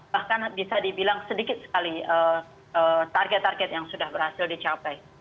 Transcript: bahkan bisa dibilang sedikit sekali target target yang sudah berhasil dicapai